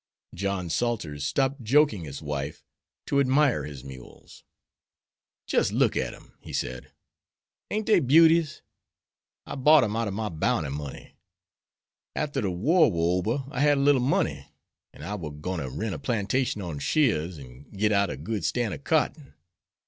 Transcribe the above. John Salters stopped joking his wife to admire his mules. "Jis' look at dem," he said. "Ain't dey beauties? I bought 'em out ob my bounty money. Arter de war war ober I had a little money, an' I war gwine ter rent a plantation on sheers an' git out a good stan' ob cotton.